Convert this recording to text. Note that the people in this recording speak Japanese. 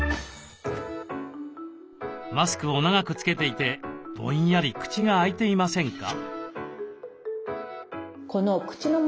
マスクを長くつけていてぼんやり口が開いていませんか？